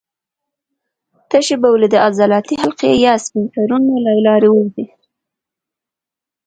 تشې بولې د عضلاتي حلقې یا سفینکترونو له لارې ووځي.